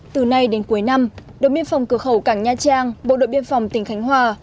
từ nay đến cuối năm đồn biên phòng cửa khẩu cảng nha trang bộ đội biên phòng tỉnh khánh hòa